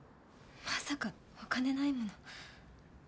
まさかお金ないもの。